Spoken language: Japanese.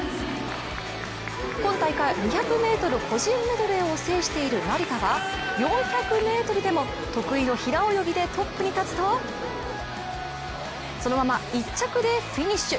今大会２００ｍ個人メドレーを制している成田は、４００ｍでも得意の平泳ぎでトップに立つとそのまま１着でフィニッシュ。